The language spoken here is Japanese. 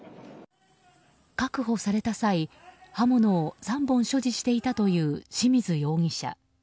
確保された際、刃物を３本所持していたという清水容疑者。